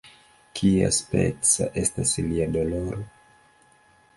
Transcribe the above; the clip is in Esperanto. "Kiaspeca estas lia doloro?"